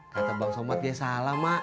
kata bang somat dia salah ma